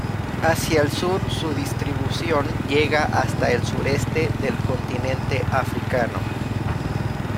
Hacia el sur su distribución llega hasta el sureste del continente africano.